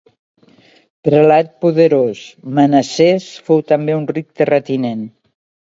Prelat poderós, Manassès fou també un ric terratinent.